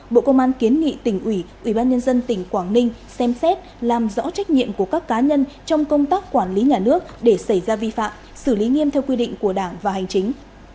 bộ công an kiến nghị tỉnh ủy ủy ban nhân dân tỉnh quảng ninh xem xét làm rõ trách nhiệm của các cá nhân trong công tác quản lý nhà nước để xảy ra vi phạm xử lý nghiêm theo quy định của đảng và hành chính